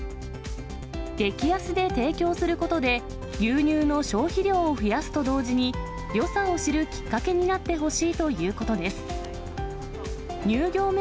激安で提供することで、牛乳の消費量を増やすと同時に、よさを知るきっかけになってほしいということです。